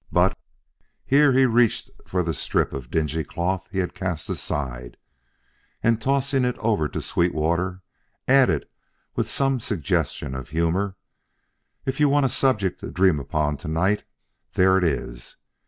But" here he reached for the strip of dingy cloth he had cast aside, and tossing it over to Sweetwater, added with some suggestion of humor, "if you want a subject to dream upon to night, there it is.